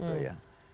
nah semestinya ini